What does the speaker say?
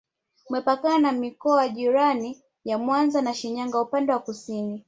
Umepakana na mikoa jirani ya Mwanza na Shinyanga upande wa kusini